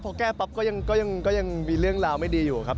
พอแก้ปั๊บก็ยังมีเรื่องราวไม่ดีอยู่ครับ